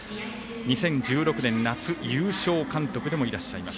２０１６年、夏優勝監督でもいらっしゃいます。